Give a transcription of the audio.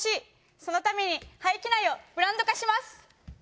そのために廃棄苗をブランド化します。